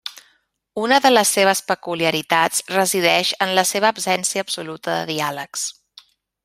Una de les seves peculiaritats resideix en la seva absència absoluta de diàlegs.